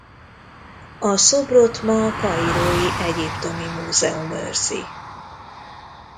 A szobrot ma a kairói Egyiptomi Múzeum őrzi.